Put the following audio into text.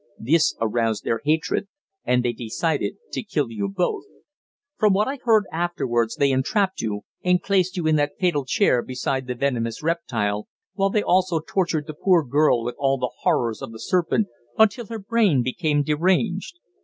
This aroused their hatred, and they decided to kill you both. From what I heard afterwards, they entrapped you, and placed you in that fatal chair beside the venomous reptile, while they also tortured the poor girl with all the horrors of the serpent, until her brain became deranged.